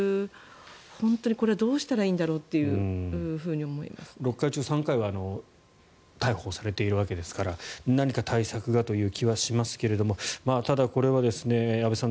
本当にこれはどうしたらいいんだろうと６回中３回は逮捕されているわけですから何か対策がという気はしますがただ、これは安部さん